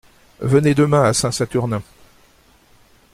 Venez demain à Saint-Saturnin.